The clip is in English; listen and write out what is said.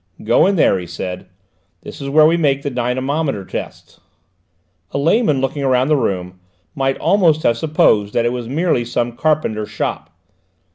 "Go in there," he said. "This is where we make the dynamometer tests." A layman looking round the room might almost have supposed that it was merely some carpenter's shop.